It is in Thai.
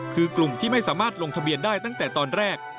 คือกลุ่มที่ไม่สามารถลงทะเบียนได้ตั้งแต่ตอนแรก